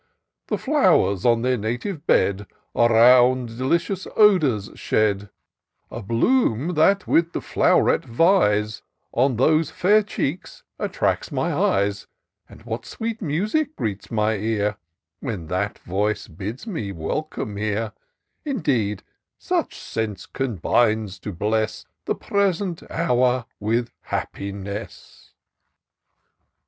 The flowers, on their native bed. Around delicious odours shed ; A bloom, that with the flow'ret vies, On those fair cheeks attracts my eyes; ( 164 TOUR OF DOCTOR SYNTAX And what sweet music greets my ear. When that voice bids me welcome here ! Indeed, each sense combines to bless The present hour with happiness."